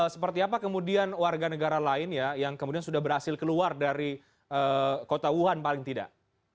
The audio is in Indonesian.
seperti apa kemudian warga negara lain ya yang kemudian sudah berhasil keluar dari kota wuhan paling tidak